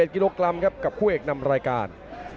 ๑กิโลกรัมครับกับคู่เอกนำรายการ